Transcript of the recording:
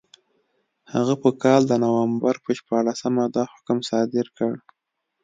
هغه په کال د نومبر په شپاړسمه دا حکم صادر کړ.